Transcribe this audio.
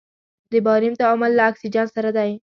د باریم تعامل له اکسیجن سره دی.